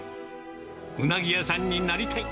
うなぎ屋さんになりたい。